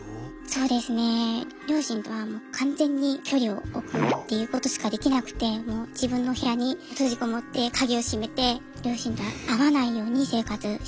そうですね両親とは完全に距離を置くっていうことしかできなくてもう自分の部屋に閉じこもって鍵を閉めて両親とは会わないように生活してました。